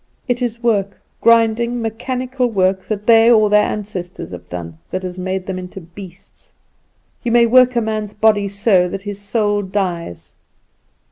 It is work, grinding, mechanical work, that they or their ancestors have done, that has made them into beasts. You may work a man's body so that his soul dies.